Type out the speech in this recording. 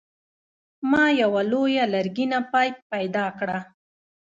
ما یوه لویه لرګینه پیپ پیدا کړه.